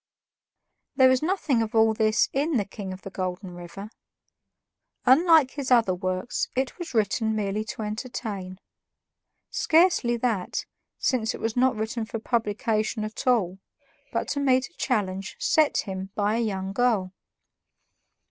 There is nothing of all this in "The King of the Golden River." Unlike his other works, it was written merely to entertain. Scarcely that, since it was not written for publication at all, but to meet a challenge set him by a young girl.